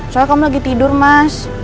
soalnya kamu lagi tidur mas